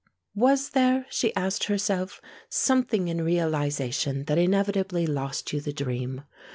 Was there, she asked herself, something in realization that inevitably lost you the dream?